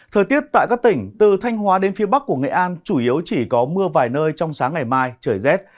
thời tiết tại các tỉnh từ thanh hóa đến phía bắc của nghệ an chủ yếu chỉ có mưa vài nơi trong sáng ngày mai trời rét